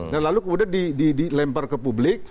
nah lalu kemudian dilempar ke publik